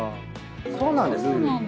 そうなんですね。